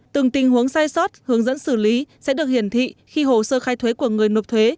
từng tình huống sai sót hướng dẫn xử lý sẽ được hiển thị khi hồ sơ khai thuế của người nộp thuế